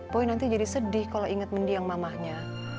boy nanti jadi sedih kalo inget mendiang mamahnya